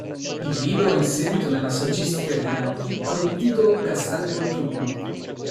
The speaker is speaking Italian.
Il libro è inserito nella saggistica di Einaudi con il titolo "Castel Volturno".